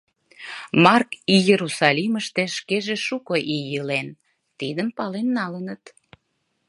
Марк Иерусалимыште шкеже шуко ий илен, тидым пален налыныт.